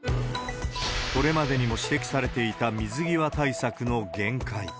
これまでにも指摘されていた水際対策の限界。